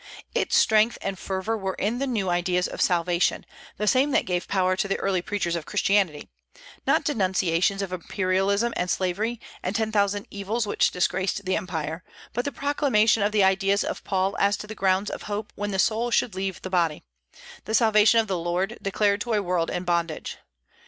Its strength and fervor were in the new ideas of salvation, the same that gave power to the early preachers of Christianity, not denunciations of imperialism and slavery, and ten thousand evils which disgraced the empire, but the proclamation of the ideas of Paul as to the grounds of hope when the soul should leave the body; the salvation of the Lord, declared to a world in bondage.